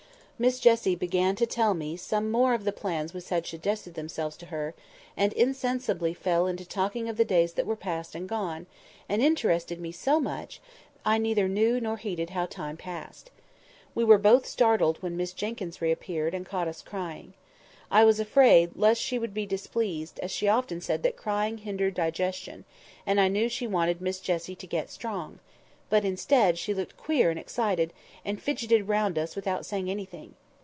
Miss Jessie began to tell me some more of the plans which had suggested themselves to her, and insensibly fell into talking of the days that were past and gone, and interested me so much I neither knew nor heeded how time passed. We were both startled when Miss Jenkyns reappeared, and caught us crying. I was afraid lest she would be displeased, as she often said that crying hindered digestion, and I knew she wanted Miss Jessie to get strong; but, instead, she looked queer and excited, and fidgeted round us without saying anything.